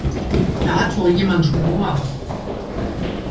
Da hat wohl jemand Humor!